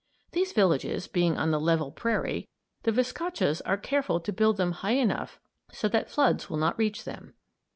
These villages being on the level prairie, the viscachas are careful to build them high enough so that floods will not reach them.